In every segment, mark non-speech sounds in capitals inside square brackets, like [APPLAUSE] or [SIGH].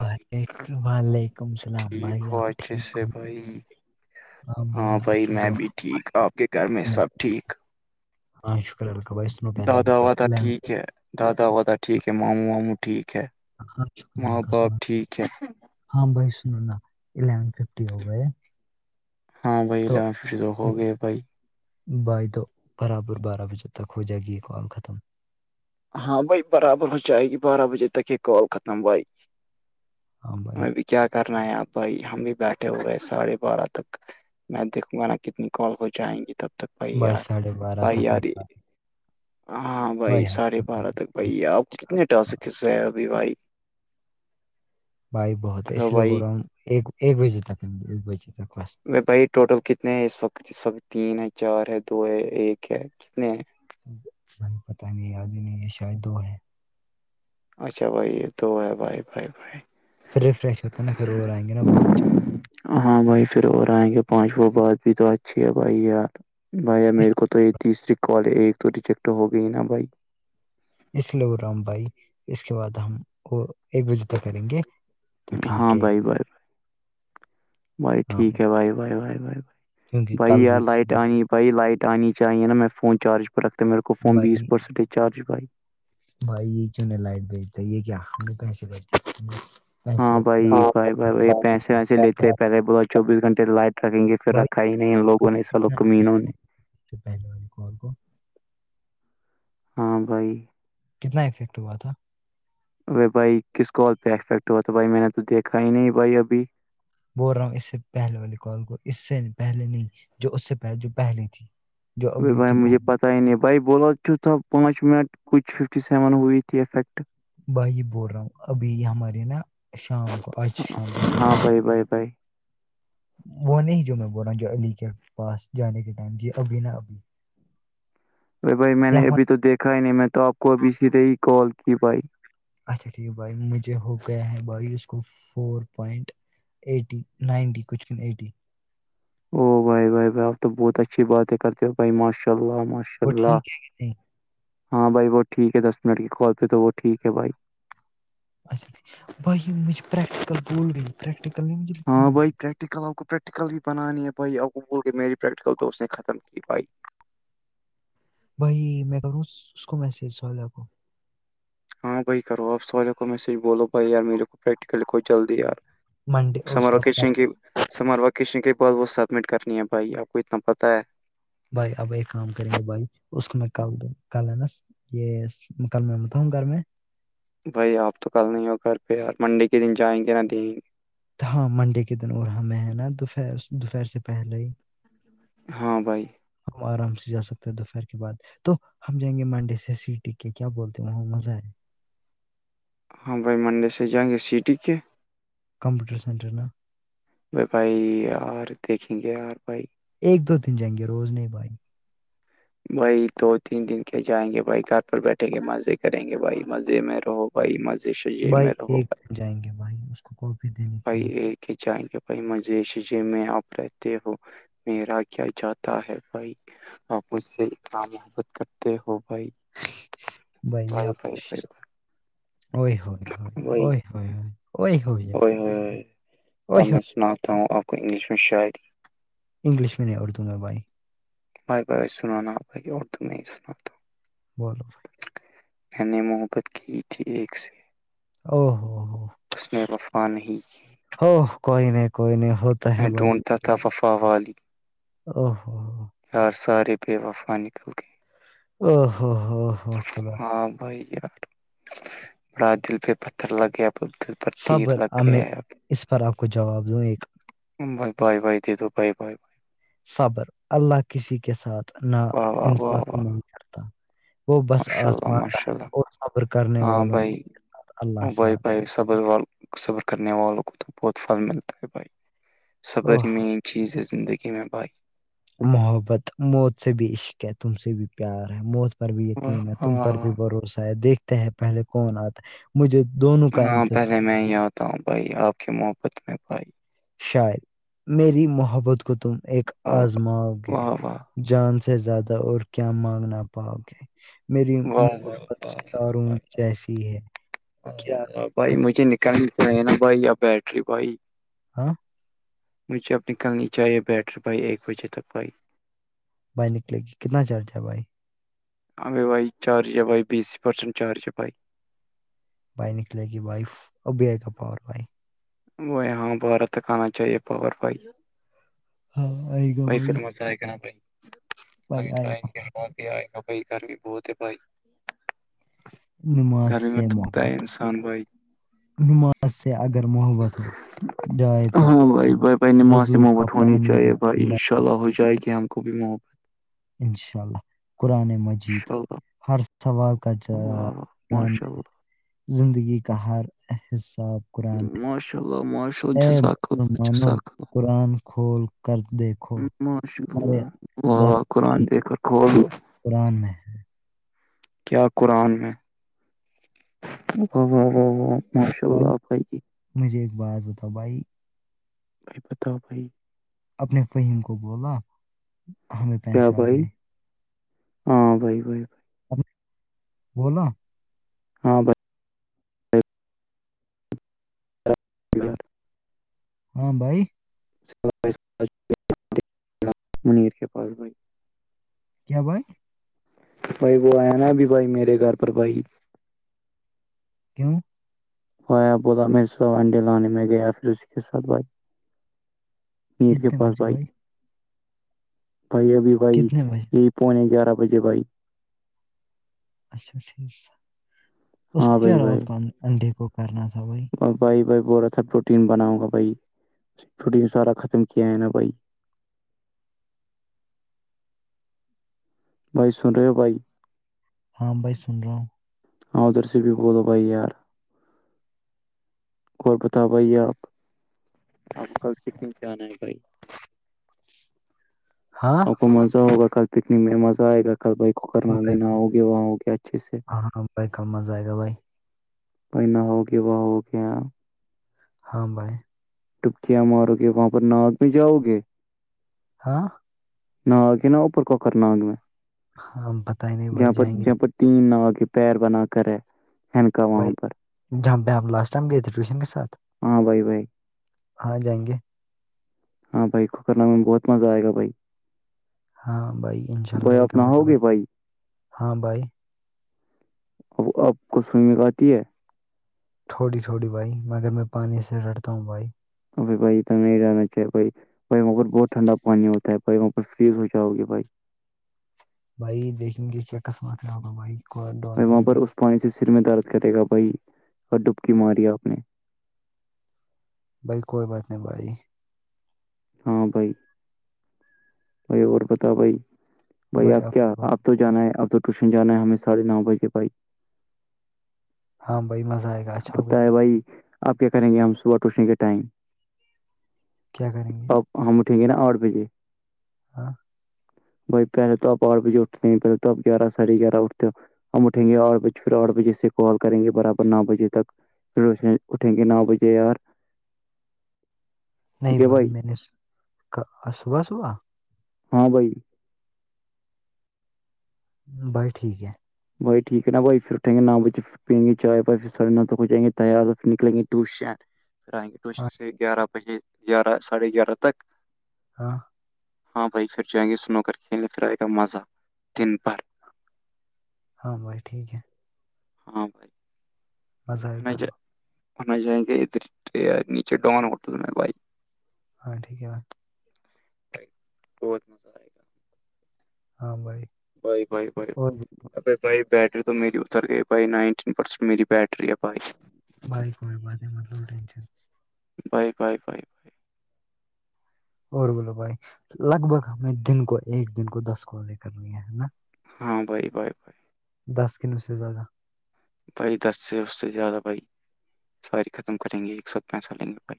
وعلیکم وعلیکم السلام ٹھیک بھائی ہو آپ اچھے ٹھیک سے ہو بھائی ہاں بھائی میں بھی ٹھیک آپ کے گھر میں سب ٹھیک ہا شکر اللہ کا بھا ی داد وادا ٹھیک ہے دادا وادا ٹھیک ہے ماموں واموں ٹھیک ہے ہاں شکر اللہ ماں کا باپ سنو ٹھیک ہے ہاں بھائی سنو نا الیون ففٹی ہو گئے ہاں بھائی لافش تو ہو گئے بھائی بائی تو برابر بارہ بجے تک ہو جائے گی یہ کال ختم ہاں بھائی برابر ہو جائے گی بارہ بجے تک یہ کال ختم بھائی ہاں بھائی ہم بھی کیا کرنا ہے آپ بھائی ہم بھی بیٹھے ہوئے ہیں ساڑھے بارہ تک میں دیکھوں گا نا کتنی کال ہو جائیں گی تب تک بھائی یار ساڑھے بارہ بھائی تک یار نہیں تھا ہاں بھائی ساڑھے بارہ تک بھائی آپ کو کتنے ٹاس کسے ہے ابھی بھائی بھائی بہت ہے اس ہلو لیے بول بھائی رہا ہوں ایک بجے تک ایک بجے تک فسٹ بھائی ٹوٹل کتنے ہیں اس وقت اس وقت تین ہے چار ہے دو ہے ایک ہے کتنے ہیں بائی پتہ نہیں آج ہی نہیں ہے شاید دو ہے اچھا بھائی یہ د ہے بائے بائے بائے پھر رفریش ہوتے ن پھر آیں گے باندھ ہاں بھائی پھر اور آئیں گے پانچ وہ بعات بھی تو اچھی ہے بھائی یار بھائی اس میرے کو تو یہ تیسری کال ایک تو ریجیکٹ ہو گئی نا بھائی اس لیے وہ رام بھائی اس کے بعد ہم وہ ایک بجے تک کریں گے تو ہاں ٹھیک ہے ایک بھائی بجے بھائی بھائی ٹھیک ہے بھائی بائی بائی بائی بائی کیونکہ بھائی کل یار بھی لائٹ آنی بھائی لائٹ آنی چاہیے نا فون چارج رکھتا میرے کو فون بھائی بیسسینٹ چارج پائی بھائی کیوں نہیں لائٹ بھیجتا یہ کیا ہم پیسے ل ہاں بھائی بھائی بھائی بائی پیسے ویسے لیتے ہیں کر پہلے بولا چوبیس گھنٹے لائٹ رکھیں گے پھر بھائی رکھا ہی نہیں ان لوگوں نے سلو کتنا کمینوں نے ہوا اس سے پہلے والی کال کو ہاں بھائی کتنا افیکٹ ہوا تھا ار بھائی کس کال پہ افیکٹ ہوا تو بھائی میں نے تو دیکھا ہی نہیں بھائی ابھی بول رہا ہوں اس سے پہلے والے کال کو اس سے پہلے نہیں جو اس سےہلے جو پہلے تھی جو ا ابھی بھائی کی مجھے پہلے. پتا ہی نہیں بھائی بولو چ تھا پانچ منٹ کچھ ففٹی سیون ہوئی تھی افیکٹ بھائی یہ بول رہا ہوں ابھی یہ ہماری نا شام کو آج شام بائے بائے وہ نہیں جو میں بول رہا ہوں جو علی کے پاس جانے کے ٹائم ج ابھی نا ابھی ا بھائی میں یہ نے ہمارا ابھی تو دیکھا ہی نہیں میں تو آپ کو ابھی سیدھے ہی کال کی بھائی اچھا ٹھیک ہے بھائی مجھے ہو گیا ہے بھائی اس کو فور پوائنٹ ایٹی نائنٹی کچھ بھی ایٹی او بھائی بائے بائی آپ تو بہت اچھی بات کرتے ہو بھائی ماشا اللہش وہ ٹھیک ہے نہیں ہاں بائی وہ ٹھیک ہے دس منٹ کی کال پہ تو وہ ٹھیک ہے بھائی بائی میں جو پرییکٹکل گول پریکٹیکل نہیں بھی ہاں بھائی پریکٹیکل آپ کو پریکٹیکل بھی بنانی ہے بائی آپ کو بول کے میری پریکٹیکل دوست نے ختم کی بھائی بھائی میں کروں اس کو میسج اللہ کو ہاں بھائی کرو آپ سو والے کو میسج بولو بھائییار میرے کو پریکٹیکلیکھو جلدیار منڈے اس سمر کا وکیشن کی سمر وکیشن کے بعد وہ سبمٹ کرنی ہے بھائی آپ کو اتنا پتا ہے بھائی اب ایک کام کریں گے بھائی اس کو میں ک دوں کال ہے نا یہ کل میںمتا ہوں گھر میں بھائی آپ تو کل نہیں ہو گھر پہ یار منڈے کے دن جائیں گے نہ دیں گے ہاں منڈے کے دن اور ہمیں ہے نا دوپہر دوپہر سے پہلے ہی ہاں بھائی ہم آرام سے جا سکتے ہیں دوپہر کے بعد تو ہم جائیں گے منڈی سے سٹی کے کیا بولتے ہیں وہاں مزہ ہے ہاں بھائی منڈے سے جائیں گے سٹی کے کمپیوٹر سینٹر نا بھائی ار دیکھیں گے یار بھائی ایک دو دن جائیں گے روز نہیں بھائی بھائی دو تین دن کے جائیں گے بھائی گھر پر بیٹھیں گے مزے کریں گے بھائی مزے میں رہو بھائی مزے سے جی میرا ہوگا جائیں گے بھائی کوپینے بھائی یہ کہ جائیں گے بھائی مجیشے میں آپ رہتے ہو میرا کیا چاہتا ہے بھائی آپ مجھ سے اتنا محبت کرتے ہو بھائی بائی بھائی آپ بھائی بھائی ا ہو بھائی ہو ا ہو اوئے اب ہوئے میں سناتا ہوں آپ کو انگلش میں شاید انگلش میں نہیں اردو میں بھائی بھائی بائی بائی سن ناپ بھائی اردو میں ہی سنا تھا بولو بھائی میں نے محبت کی تھی ایک سے او ہو ہو اس نے وفوا نہیں کی ہو کوئی نہیں کوئی نہیں ہو ڈونفا او ہو یار سارے بے وفا نکل کے ہو ہو خدا ہاں بھائی یار بڑا دل پہ پتھر لگ گیا پر تیر صبر لگ میں گیا ہے اس پر آپ کو جواب دوں ایک بائے بائے بائے دےیدو بائے بائے صابر اللہ کسی کے ساتھ ن واہ واہ واہ انصافی واہ نہیں کرتا وہ بس ماشاء اللہ آزماتا ماشاء ہے اللہ اور صبر کرنے والوں کو اللہ ساتھ پائی سبر صبر کرنے والوں کو تو بہت پھل ملتا ہے بھائی صبر اوہ ہی میں چیز ہے زندگی میں بھائی محبت موت سے بھی عشق ہے تم سے بھی پیار ہے موت بھی واہ یقین ہے واہ تم واہ پر بھی واہ بھروسہ ہے دیکھتے ہیں پہلے کون آتا مجھے دونوں کاائن ہاں تھ پہلے میں یہ آتا ہوں بھائی آپ کے محبت میں بھائی شار میری محبت کو تم ایک واہ آزماؤ گے واہ واہ جان سے زیادہ اور کیا مانگنا پاؤ گے میری واہ واہ محبت واہ سےتارون بھائی جیسی ہے کیا بھائی مجھے نکالک ہے نا بھائی اب بیٹری بھائی ہاں مجھے اپنی کل نی چاہیے بیٹر بھائی ایک بجے تک بھائی بھائی نکلے گی کتنا چارج ہے بھائی ہ بھائی چارج ہے بھائی بیس پرسنٹ چارج ہے بھائی بھائی نکلے گی بائف اب بھی آئے گا پاور بھائی وہ یہاں بارہ تک آنا چاہیے پاپور بھائی [UNINTELLIGIBLE] بھائی پھر مزہ ہے کیا نا بھائی بھائی آئے ٹیں گا گ ہ ہی آئے گا بھائی گھر بھی بہت ہے بھائی نماز گرمی میں سے تھکتا ہے محبت انسان بھائی نماز سے اگر محبت ہو جائے تو ہاں بھائی بھائی بائی نے ما سے وضو کا محت ہونی پانی چاہیے بھی بھائی ٹھنڈا انشاء اللہ تو ہو جائے گی ہم کو بھی مح انشاء اللہ قرآن مجد جی انشاء تو اللہ ہر سوال کا جو واہ واہ ماشاء اللہ زندگی کا ہر حساب قرآن میں ماشاء اللہ ماشاء ال اے جزاک ال مسلمانوں جھزاکۃ قرآن کھول کر دیک ش ہوا و قرآن کی دے کر قرآن میں ہے کیا قرآن میں و و و ماشاء اللہ بھائی ج مجھے ایک بات بتاؤ بھائی بھائی بتاؤ بھائی اپنے فہیم کو بولا ہمیں کیا پیسے آ بھائی گئے ہاں بائی بائی ب بول ہاں بس بار ہاں بھائی منیر کے پاس بھائی کیا بھائی بھائی وہ ہے نا بھی بھائی میرے گھر پر بھائی کیوں بھائی آپ بولا میرے س انڈے لانے میں گیا پھر اسی کے ساتھ بھائی میر کے کتنے پاس بجے بھائی بھائی ابھی بھائی کتنے بجے یہ پونے گیارہ بجے بائی اچھا ٹھیک اس کا ہاں کیا بھائی راات بھائی کو انڈے کو کرنا تھا بھائی بھائی بھائی ب اھا پروٹین بناؤں گا بھائی پروٹین سارا ختم کیا ہے نا بھائی بھ سن رہے بائی ہاں بھائی سن رہا ہوں ا ادھر سے بھی بولو بھائی یار اور بتاؤ بھائی آپ آپ کل سکم کیا آنا ہے بھائی ہاں وہ مزہ ہوگا کل پکنک میں مزہ آئے گا کل بائک کر نام نہ ہوگیا وہاں ہو گیا ہاں ہاں بھائی کم مزہ آئے گا بھائی پہ نہ ہو کے وہ ہو گ ہاں بھائے ڈپکیاں مارو گے وہاں پر نااک میں جاؤ گے ہاں ناگ ہے نا اوپر کوکر ناگ میں ہم پتہ ہی نہیں بھائی جاں پر جائیں گے جاں پر تین نو کے پیر بنا کر ہے ہکا وہاں پر جاںہ ہم لاسٹائم گئے تھے ٹیوشن کے ساتھ ہاں بائی بھائی ہاں جائیں گے ہاں بھائی کھک کرنا میں بہت مزہ آئے گا بھائی ہاں بھائی ان شاء اللہ بھائی ایک آپ کا نہاؤ مذہب گے ہے بھائی ہاں بھائی اب آپ کو سو مگاتتی ہے تھوڑی تھھوڑی بھائی مگر میں پانی سے رٹتا ہوں بھائی اپ بئی تاچ بئی بھائی وہاں پر بہت ٹھنڈ پانی ہوتا ہے بائی وہاں پر فریز ہو جاگی بھائی بھائی دیکھیں گے کیا قسمت ہے آگا بھائی کوئی ب ڈونٹ وہاں وری پر بھائی اس پانی سے سر میں درد کرے گا بھائی اور ڈبکی ماری آپ نے بھائی کوئی بات نہیں بھائی ہاں بھائی بھائی اور بتا بھائی بھائی آپ کیا آپ تو جانا ہے اب تو ٹیوشن جانا ہے ہمیں ساھے نو بج کے بھائی ہاں بھائی مزہ آئے گا اچھا پتا ہوگیا ہے بھائی آپ کیا کریں گے ہم صبح ٹوشنے کے ٹائم کیا کریں گے آپ ہم اٹھیں گےا اور بجے ہاں بھائی پہلے تو آ اور بھیج اٹھتے ہیں پہلے تو آ گیارہ سڑھے گیارہ اٹھتے ہو ہم اٹھیں گے بج پھر آٹھ بجے سے کال کریں گے برابر نو بجے تک پھر اس نے اٹھیں گے نو بجے یار نہیں ٹھیک ہے بھائی میں نے صبح صبح ہاں بھائی بس ٹھیک ہے بھائی ٹھیک ہے بائی پھر اٹھیں گےام بچ پئیں گے چائےائے پھر سرنا تک ہو جائیں گے تیار نکلیںےٹوشین پھر آئیں گے ٹیوشن ہاں سے گیارہ بجے گیارہ ساڑھے گیارہ تک ہاں ہاں بھائی پھر جائیں گے سنو کر کھیلنے پھر آئے گا مزہ دن بھر ہاں بائی ٹھیک ہے ہاں بھائی مزہ آئے گا جائے ہو جائیں گے ادھر نیچے ڈون ہوٹل میں بھائی ہاں ٹھیک ہےا بہت مزہ آئے گا ہاں بھائی بھائی بھائی بھائی اور بائی اب بھائی بیٹری تو میری اتر گئی بھائی نائنٹین پرسینٹ میری بیٹری اب بھائی کوئی بات ہے مطلب ٹشن بھائے بائے بھ اور بولو بھائی لگ بھگ ہمیں دن کو ایک دن کو دس کو لے کر لیا ہے نا ہاں بھائی بھائے دس کلو سے زیادہ بھائی دس سے اس سے زیادہ بھائی ساری ختم کریں گے ایک ساتھ پیسہ لیں گے بھائی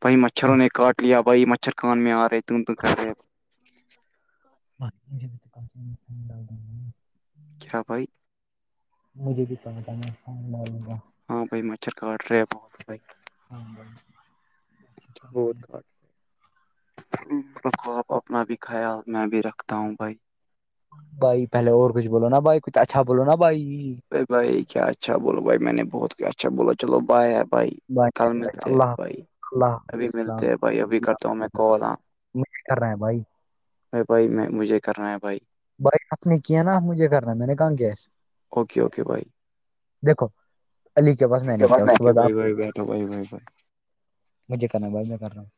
بھائی مچھروں نے کاٹ لیا بھائی مچھر کان میں آ رہے ت تو کر رہے بھائی انی کای ڈگ د کیا بھائی مجھے بھی پ تھا میں گا ہاں بھائی مچھر کاٹ رہے بہت بھائی ہاں بھائی م بت کمپلیٹ کا رکھو آپ اپنا بھی خیال میں بھی رکھتا ہوں بھائی بھائی پہلے اور کچھ بولو نا بھائی کچھ اچھا بولو نا بھائی [INAUDIBLE] ا بائی کیا اچھا بولو بھائی میں نے بہت کیا اچھا بو چلو بائے آپ بھائی کل بھائی ملتے ہے اللہ بھائی اللہ حافظ ابھی ملتے ہیں بھائی ابھی کرتا ہوں میں کال ہ [INAUDIBLE] نہیں کر رہے ہیں بھائی [INAUDIBLE] ا بھائی میں مجھے کرنا ہے بھائی [INAUDIBLE] بھائی آپ نے کیا نا مجھے کرنا میں نے کہاں کیا [INAUDIBLE] اوکے اوکے بائی دیکھو علی کے پاس میں نے کیا اس کے اوکے بعد بھائی آپ بھائی کیا [INAUDIBLE] بیٹھو بھائی بھائی بھائی مجھے کرنا بھائی میں کرا ہوں [INAUDIBLE]